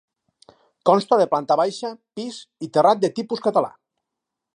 Consta de planta baixa, pis i terrat de tipus català.